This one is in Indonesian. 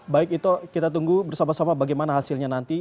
baik ito kita tunggu bersama sama bagaimana hasilnya nanti